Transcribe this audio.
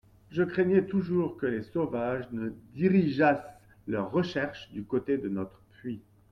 Je craignais toujours que les sauvages ne dirigeassent leurs recherches du côté de notre puits.